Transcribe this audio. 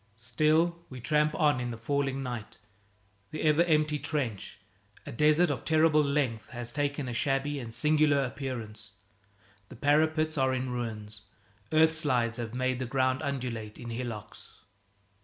Still we tramp on in the falling night. The ever empty trench a desert of terrible length has taken a shabby and singular appearance. The parapets are in ruins; earthslides have made the ground undulate in hillocks.